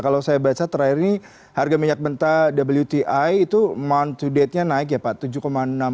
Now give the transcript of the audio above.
kalau saya baca terakhir ini harga minyak mentah wti itu mount to date nya naik ya pak